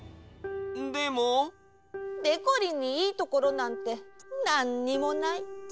でも？でこりんにいいところなんてなんにもない。